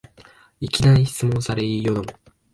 いきなり質問され言いよどむ